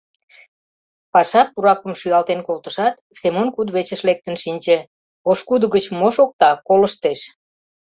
Паша пуракым шӱалтен колтышат, Семон кудывечыш лектын шинче, пошкудо гыч мо шокта — колыштеш.